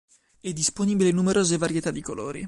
È disponibile in numerose varietà di colori.